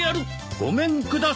ごめんください！